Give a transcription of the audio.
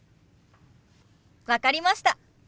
分かりました。